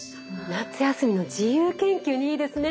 夏休みの自由研究にいいですね。